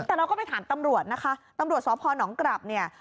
แต่เราก็ไปถามตำรวจนะคะตำรวจสพนกลับเนี่ย